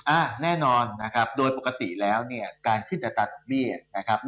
อ่าแน่นอนนะครับโดยปกติแล้วเนี่ยการขึ้นอัตราดอกเบี้ยนะครับ